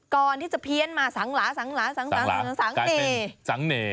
ก่อนที่จะเพี้ยนมาสังหลาสังหลาสังสังเน่สังเน่